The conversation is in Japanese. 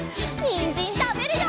にんじんたべるよ！